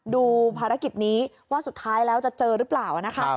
ดูภารกิจนี้ว่าสุดท้ายแล้วจะเจอหรือเปล่านะคะ